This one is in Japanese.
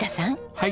はい。